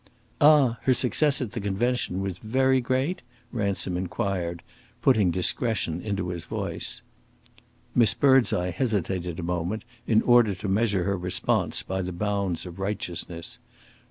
"Ah! her success at the convention was very great?" Ransom inquired, putting discretion into his voice. Miss Birdseye hesitated a moment, in order to measure her response by the bounds of righteousness.